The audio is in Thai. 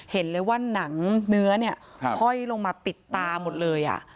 เห็นเลยว่าหนังเนื้อเนี่ยห้อยลงมาปิดตาหมดเลย